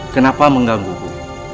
kenapa mengganggu ku